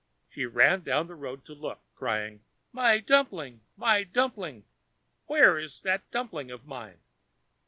She ran down the road to look, crying: "My dumpling! my dumpling! Where is that dumpling of mine?"